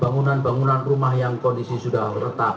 bangunan bangunan rumah yang kondisi sudah retak